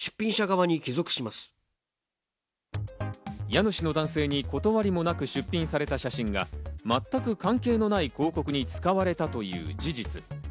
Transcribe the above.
家主の男性に断りもなく出品された写真が全く関係のない広告に使われたという事実。